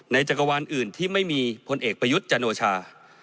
จักรวาลอื่นที่ไม่มีพลเอกประยุทธ์จันโอชา